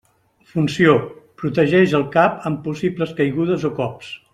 Funció: protegeix el cap en possibles caigudes o cops.